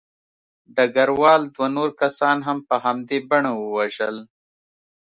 ډګروال دوه نور کسان هم په همدې بڼه ووژل